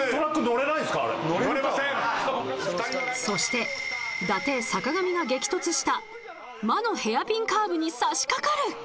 そして、伊達、坂上が激突した魔のヘアピンカーブに差し掛かる。